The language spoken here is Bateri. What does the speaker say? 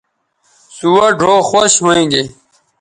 سوہ ڙھؤ خوش ھویں گے